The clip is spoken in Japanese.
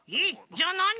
じゃあなに？